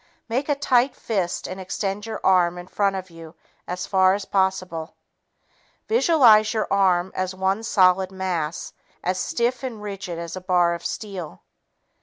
Make a tight fist and extend your arm in front of you as far as possible. Visualize your arm as one solid mass, as stiff and rigid as a bar of steel.